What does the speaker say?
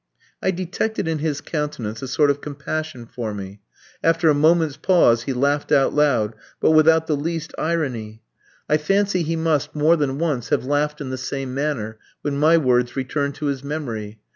I detected in his countenance a sort of compassion for me. After a moment's pause he laughed out loud, but without the least irony. I fancy he must, more than once, have laughed in the same manner, when my words returned to his memory.